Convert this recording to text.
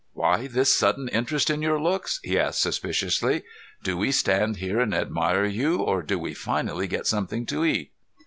"Why this sudden interest in your looks?" he asked suspiciously. "Do we stand here and admire you, or do we finally get something to eat?"